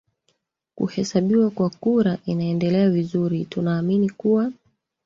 kuhesabiwa kwa kura inaendelea vizuri tunaamini kuwa